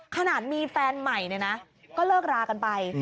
ขนาดมีแฟนใหม่เนี่ยนะก็เลิกรากันไป